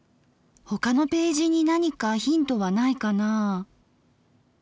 他のページに何かヒントはないかなあ。